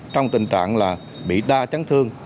trong tình trạng là bị đa chắn thương